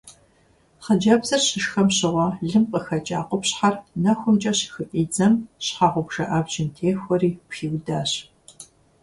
Хъыджэбзыр щышхэм щыгъуэ лым къыхэкӀа къупщхьэр нэхумкӀэ щыхыфӀидзэм щхьэгъубжэ абджым техуэри пхиудащ.